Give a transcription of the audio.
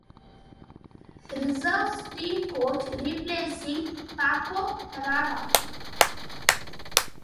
Reserves team coach, replacing Paco Herrera.